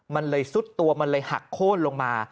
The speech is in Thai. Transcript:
มันเลยซุดตัวมันเลยหักโค้นลงมา